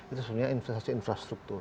itu sebenarnya investasi infrastruktur